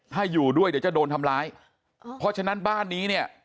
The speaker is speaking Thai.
ถ้าอยู่ด้วยเดี๋ยวจะโดนทำร้ายเพราะฉะนั้นบ้านนี้เนี่ย